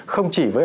không chỉ với